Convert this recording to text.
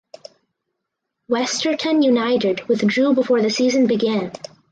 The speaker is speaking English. Westerton United withdrew before the season began.